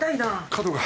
角が。